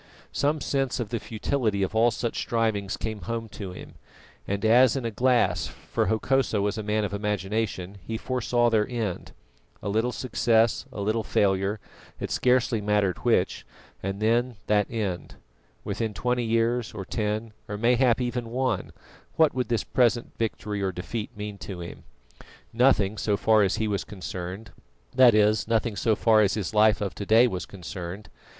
Some sense of the futility of all such strivings came home to him, and as in a glass, for Hokosa was a man of imagination, he foresaw their end. A little success, a little failure, it scarcely mattered which, and then that end. Within twenty years, or ten, or mayhap even one, what would this present victory or defeat mean to him? Nothing so far as he was concerned; that is, nothing so far as his life of to day was concerned.